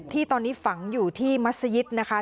ที่ตอนนี้ฝังอยู่ที่มัศยิตนะคะ